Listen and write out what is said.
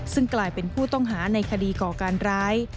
ซึ่งกลายเป็นผู้ต้องหาในคดีก่อการร้าย